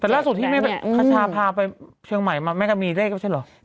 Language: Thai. แต่ล่าสุดที่พัชฌาพาไปเชียงใหม่มันก็มีเลขใช่หรือ